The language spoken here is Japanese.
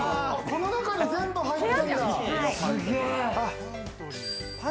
この中に全部入ってるんだ。